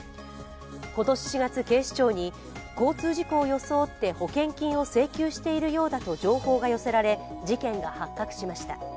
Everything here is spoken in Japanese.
今年４月、警視庁に交通事故を装って保険金を請求しているようだと情報が寄せられ事件が発覚しました。